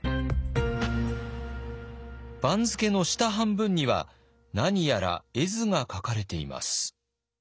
番付の下半分には何やら絵図が描かれています。